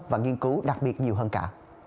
và nghiên cứu đặc biệt nhiều hơn cả